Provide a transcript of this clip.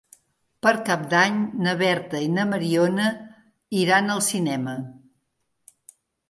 Per Cap d'Any na Berta i na Mariona iran al cinema.